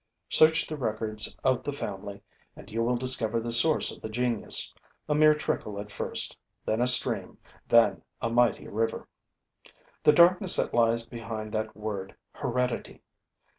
Search the records of the family and you will discover the source of the genius, a mere trickle at first, then a stream, then a mighty river. The darkness that lies behind that word heredity!